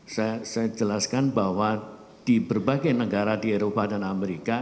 saya jelaskan bahwa di berbagai negara di eropa dan amerika